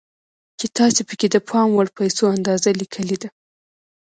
چې تاسې پکې د پام وړ پيسو اندازه ليکلې ده.